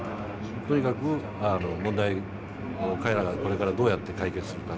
とにかく問題を彼らがこれからどうやって解決するか。